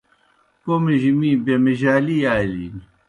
کوْمِجیْ می بِمجَالِی آلِن۔